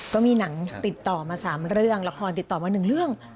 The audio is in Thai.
ก็มีหนังติดต่อมา๓เรื่องละครติดต่อมา๑เรื่อง